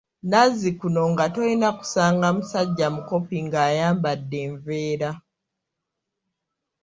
Nazzikuno nga toyinza kusanga musajja mukopi ng‘ayambadde enveera.